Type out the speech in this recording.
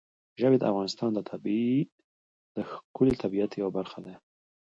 ژبې د افغانستان د ښکلي طبیعت یوه برخه ده.